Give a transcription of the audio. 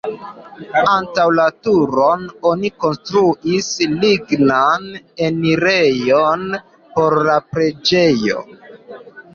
Antaŭ la turon oni konstruis lignan enirejon por la preĝejo.